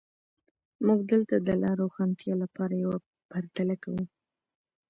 موږ دلته د لا روښانتیا لپاره یوه پرتله کوو.